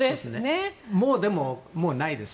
でも、もうないです。